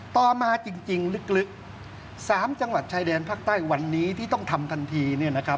ต่อมาจริงลึก๓จังหวัดชายแดนภาคใต้วันนี้ที่ต้องทำทันที